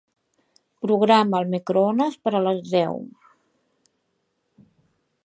Programa el microones per a les deu.